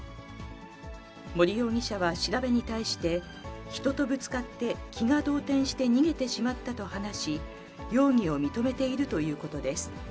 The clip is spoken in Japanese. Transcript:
森容疑者は調べに対して、人とぶつかって、気が動転して逃げてしまったと話し、容疑を認めているということです。